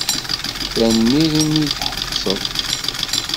Tanemmirt imi d-tḥebsed.